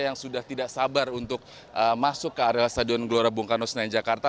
yang sudah tidak sabar untuk masuk ke areal stadion gelora bung karno senayan jakarta